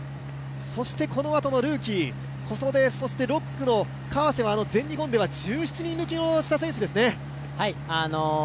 そしてこのあとはルーキー、小袖、６区の川瀬は１７人抜きをした選手ですね。